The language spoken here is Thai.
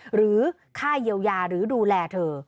หรือค่าเยียวยาหรือดูแลเธอ